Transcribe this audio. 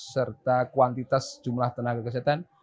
serta kuantitas jumlah tenaga kesehatan